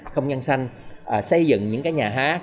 không nhân xanh xây dựng những cái nhà hát